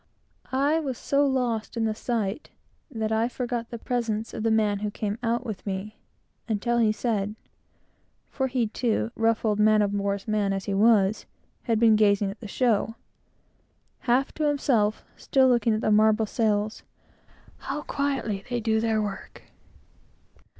I was so lost in the sight, that I forgot the presence of the man who came out with me, until he said, (for he, too, rough old man of war's man as he was, had been gazing at the show,) half to himself, still looking at the marble sails "How quietly they do their work!"